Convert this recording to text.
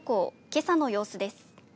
けさの様子です。